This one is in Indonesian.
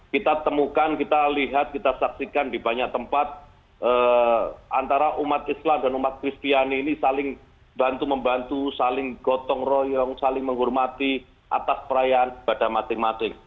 kita temukan kita lihat kita saksikan di banyak tempat antara umat islam dan umat kristiani ini saling bantu membantu saling gotong royong saling menghormati atas perayaan ibadah masing masing